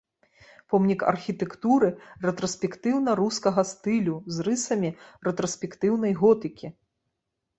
Помнік архітэктуры рэтраспектыўна-рускага стылю з рысамі рэтраспектыўнай готыкі.